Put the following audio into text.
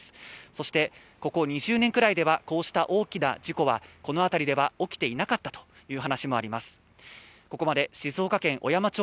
そしてここ２０年くらいではこうした大きな事故はこの辺りでは起きていなかったという話もあります。